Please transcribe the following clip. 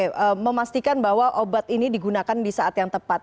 oke memastikan bahwa obat ini digunakan di saat yang tepat